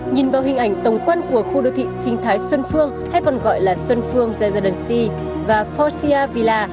nhìn vào hình ảnh tổng quan của khu đô thị trinh thái xuân phương hay còn gọi là xuân phương residency và forza villa